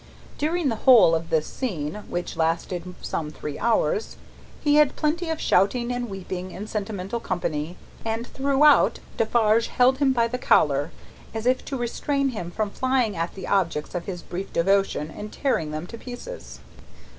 During the whole of this scene, which lasted some three hours, he had plenty of shouting and weeping and sentimental company, and throughout Defarge held him by the collar, as if to restrain him from flying at the objects of his brief devotion and tearing them to pieces.